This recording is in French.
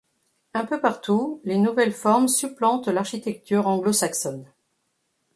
Un peu partout, les nouvelles formes supplantent l'architecture anglo-saxonne.